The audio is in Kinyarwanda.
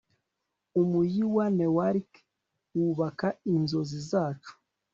umujyi wa newark wubaka inzozi zacu